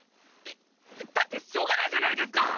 えっだってしょうがないじゃないですか！